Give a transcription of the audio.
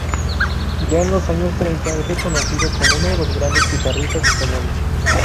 Ya en los años treinta es reconocido como uno de los grandes guitarristas españoles.